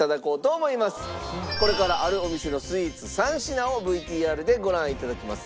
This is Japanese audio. これからあるお店のスイーツ３品をＶＴＲでご覧頂きます。